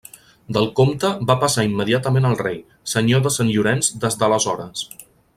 Del comte va passar immediatament al rei, senyor de Sant Llorenç des d'aleshores.